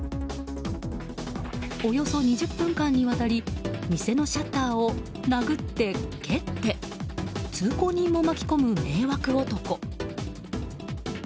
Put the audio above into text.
およそ２０分間にわたり店のシャッターを殴って、蹴って通行人も巻き込む迷惑男。